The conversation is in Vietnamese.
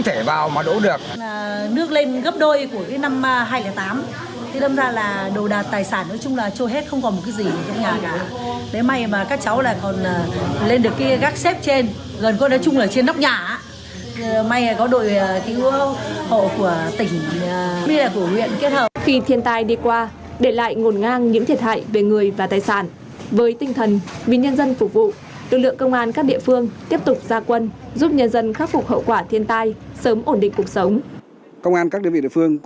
tham gia tìm kiếm cứu nạn khắc phục hậu quả thiền tài tại các địa phương